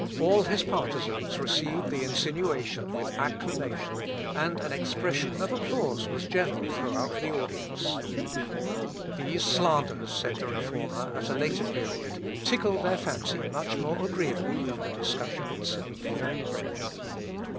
All his partizans received the insinuation with acclamation, and an expression of applause was general throughout the audience. "These slanders," said the Reformer at a later period, "tickled their fancy much more agreeably than the discussion itself."